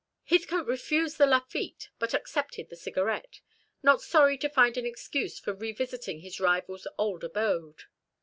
Heathcote refused the Lafitte, but accepted the cigarette, not sorry to find an excuse for revisiting his rival's old abode.